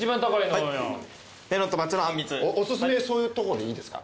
おすすめそういうとこでいいですか？